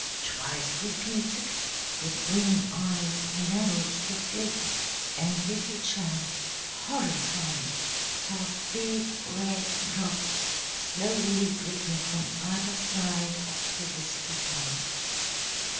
Twice repeated, the green eyes narrowed to slits, and Yuki Chan, horrified, saw big red drops slowly dripping from either side of the whiskered mouth.